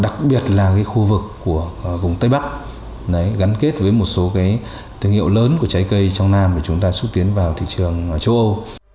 đặc biệt là khu vực của vùng tây bắc gắn kết với một số thương hiệu lớn của trái cây trong nam để chúng ta xúc tiến vào thị trường châu âu